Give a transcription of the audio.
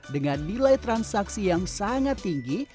dengan nilai transaksi yang sangat tinggi